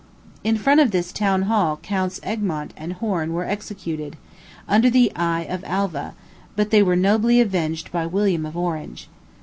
In front of this town hall Counts Egmont and Horn were executed, under the eye of Alva; but they were nobly avenged by William of Orange.